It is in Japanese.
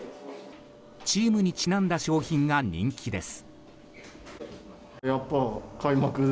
チームにちなんだ商品が人気です。